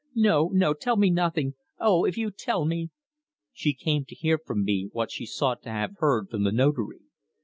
"No, no, tell me nothing oh, if you tell me! " "She came to hear from me what she ought to have heard from the Notary.